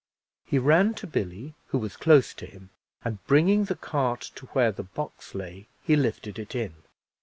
He ran to Billy, who was close to him, and bringing the cart to where the box lay, he lifted it in.